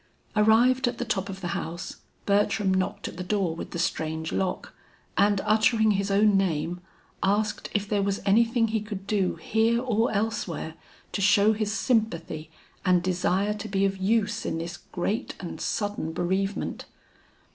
Arrived at the top of the house, Bertram knocked at the door with the strange lock, and uttering his own name, asked if there was anything he could do here or elsewhere to show his sympathy and desire to be of use in this great and sudden bereavement.